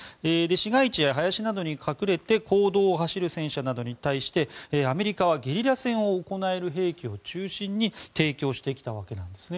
市街地や林などに隠れて公道などを走る戦車に対してアメリカはゲリラ戦を行える兵器を中心に提供してきたわけです。